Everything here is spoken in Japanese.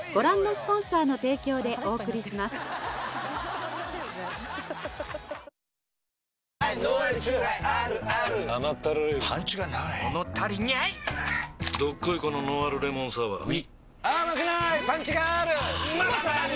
どっこいこのノンアルレモンサワーうぃまさに！